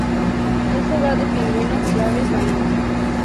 Es hogar de pingüinos y aves marinas.